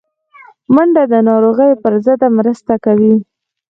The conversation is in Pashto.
منډه د ناروغیو پر ضد مرسته کوي